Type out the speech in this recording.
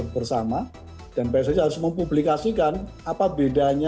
bersama dan pssi harus mempublikasikan apa bedanya